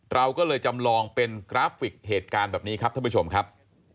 เราก็เลยจำลองเป็นกราฟิกเหตุการณ์แบบนี้ครับท่านผู้ชมครับ